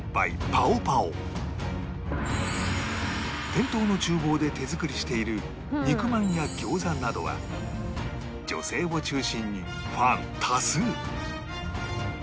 店頭の厨房で手作りしている肉まんやギョーザなどは女性を中心にファン多数